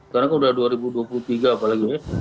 karena kan udah dua ribu dua puluh tiga apalagi ya